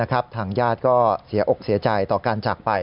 ทางญาติก็เสียอกเสียใจต่อการจากไป